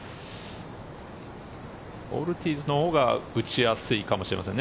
オルティーズのほうが打ちやすいかもしれませんね。